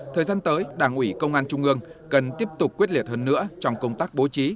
thời gian tới đảng ủy công an trung ương cần tiếp tục quyết liệt hơn nữa trong công tác bố trí